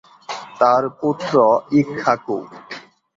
তাঁর পুত্র ইক্ষ্বাকু।